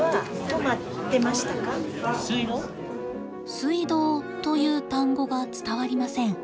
「水道」という単語が伝わりません。